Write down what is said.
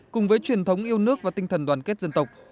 cùng với truyền thống yêu nước và tinh thần đoàn kết dân tộc